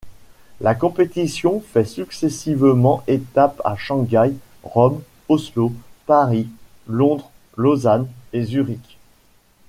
La compétition fait successivement étape à Shanghai, Rome, Oslo, Paris, Londres, Lausanne et Zurich.